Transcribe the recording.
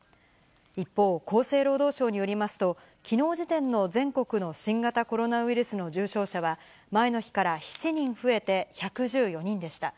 一方、厚生労働省によりますと、きのう時点の全国の新型コロナウイルスの重症者は、前の日から７人増えて１１４人でした。